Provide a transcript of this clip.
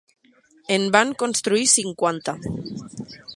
En van construir cinquanta.